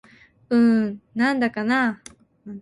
うーん、なんだかなぁ